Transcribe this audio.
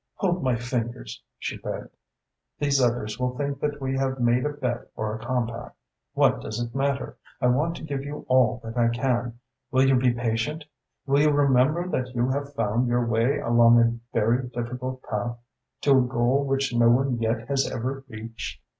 "Hold my fingers," she begged. "These others will think that we have made a bet or a compact. What does it matter? I want to give you all that I can. Will you be patient? Will you remember that you have found your way along a very difficult path to a goal which no one yet has ever reached?